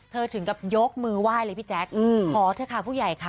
ถึงกับยกมือไหว้เลยพี่แจ๊คขอเถอะค่ะผู้ใหญ่ค่ะ